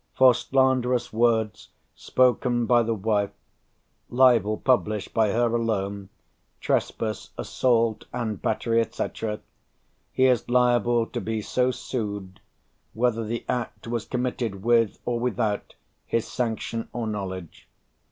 "For slanderous words spoken by the wife, libel published by her alone, trespass, assault and battery, &c., he is liable to be so sued, whether the act was committed with or without his sanction or knowledge....